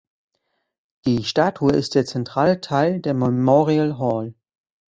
Die Statue ist der zentrale Teil der Memorial Hall.